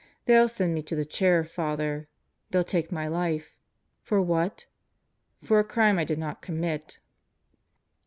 They'll send me to the Chair, Father. They'll take my life. For what? For a crime I did not commit."